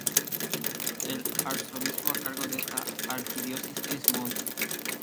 El arzobispo a cargo de esta arquidiócesis es Mons.